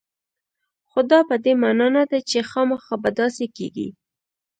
خو دا په دې معنا نه ده چې خامخا به داسې کېږي